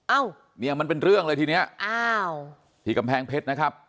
เอ้าเนี่ยมันเป็นเรื่องเลยทีเนี้ยอ้าวที่กำแพงเพชรนะครับ